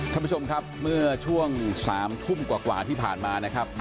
ท่านผู้ชมครับเมื่อช่วง๓ทุ่มกว่าที่ผ่านมานะครับ